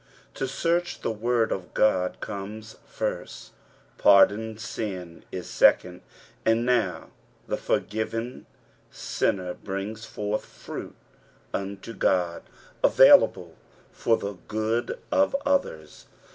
To search the word of Qod <. onies first, pardoned sin is second, and now the forgiren nnner brings forth fruit unto God avuilable for the good of others.